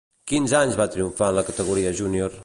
Quins anys va triomfar en la categoria júnior?